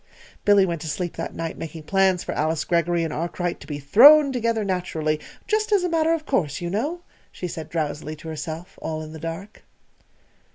Billy went to sleep that night making plans for Alice Greggory and Arkwright to be thrown together naturally "just as a matter of course, you know," she said drowsily to herself, all in the dark.